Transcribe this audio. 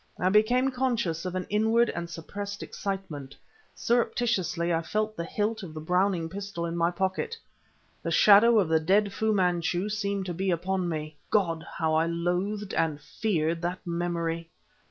I became conscious of an inward and suppressed excitement; surreptitiously I felt the hilt of the Browning pistol in my pocket. The shadow of the dead Fu Manchu seemed to be upon me. God! how I loathed and feared that memory!